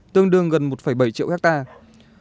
tương đương gần một bảy triệu hectare